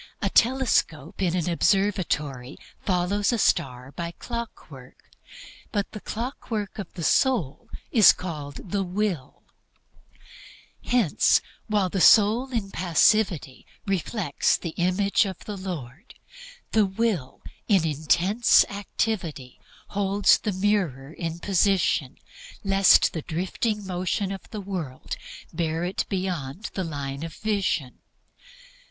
A telescope in an observatory follows a star by clockwork, but the clockwork of the soul is called the Will. Hence, while the soul in passivity reflects the Image of the Lord, the Will in intense activity holds the mirror in position lest the drifting motion of the world bear it beyond the line of vision.